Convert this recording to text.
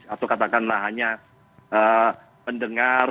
atau katakanlah hanya pendengar